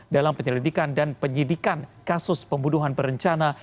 dalam penyelidikan dan penyidikan kasus pembunuhan berencana